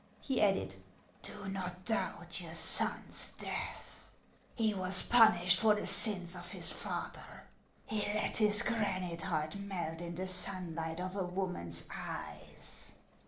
He added: "Do not doubt your sou's death; he was punished for the sins of his father. He let. his granite heart melt in the sunlight of a woman's eyes.